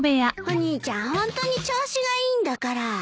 お兄ちゃんホントに調子がいいんだから。